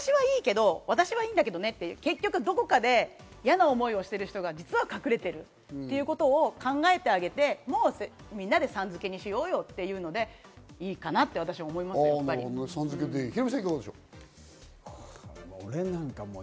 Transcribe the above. ６年生の男の子が言ってましたけど私はいいけど、結局どこかで嫌な思いをしている人が隠れているということを考えてあげて、みんなでさん付けにしようよっていうのでいいかなって私は思いまヒロミさん、いかがでしょうか？